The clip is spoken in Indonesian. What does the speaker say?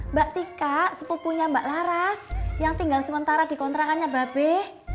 mbak tika sepupunya mbak laras yang tinggal sementara di kontrakannya mbak be